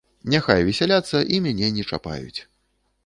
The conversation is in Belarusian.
Няхай весяляцца і мяне не чапаюць.